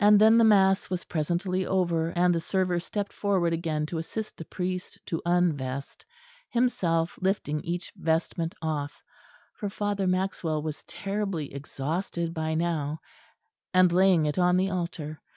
And then the mass was presently over; and the server stepped forward again to assist the priest to unvest, himself lifting each vestment off, for Father Maxwell was terribly exhausted by now, and laying it on the altar.